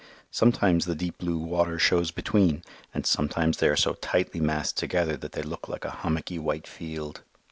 Sometimes the deep blue water shows between, and sometimes they are so tightly massed together that they look like a hummocky white field.